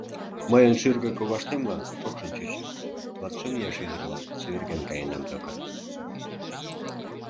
Мыйын шӱргӧ коваштемлан шокшын чучо; латшым ияш ӱдырла чеверген каенам докан.